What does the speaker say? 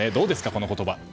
この言葉。